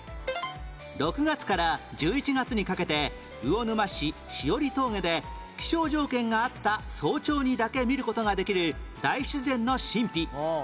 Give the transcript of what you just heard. ６月から１１月にかけて魚沼市枝折峠で気象条件が合った早朝にだけ見る事ができる大自然の神秘